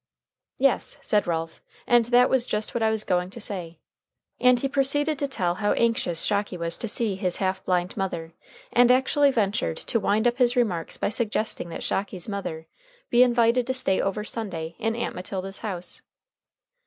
"Yes," said Ralph, "and that was just what I was going to say." And he proceeded to tell how anxious Shocky was to see his half blind mother, and actually ventured to wind up his remarks by suggesting that Shocky's mother be invited to stay over Sunday in Aunt Matilda's house.